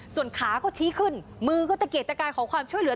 ส่วนขาก็ชี้ขึ้นมือก็ตะเกดตะกายขอความช่วยเหลือ